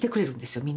みんなが。